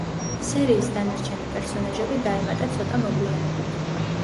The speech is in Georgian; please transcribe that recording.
სერიის დანარჩენი პერსონაჟები დაემატა ცოტა მოგვიანებით.